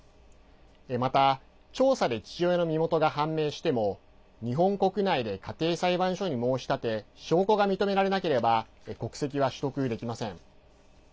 また、調査で父親の身元が判明しても日本国内で家庭裁判所に申し立て証拠が認められなければ国籍は取得できません。